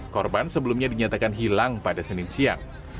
korban sebelumnya dinyatakan hilang pada senin siang